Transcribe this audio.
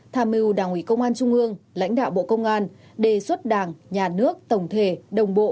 tham mưu đảng ủy công an trung ương lãnh đạo bộ công an đề xuất đảng nhà nước tổng thể đồng bộ